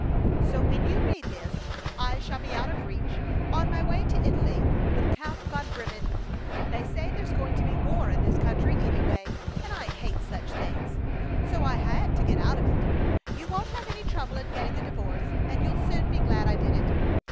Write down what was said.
So when you read this I shall be out of reach, on my way to Italy with Count von Bremen. They say there's going to be war in this country, anyway, and I hate such things, so I had to get out of it. You won't have any trouble in getting a divorce, and you'll soon be glad I did it.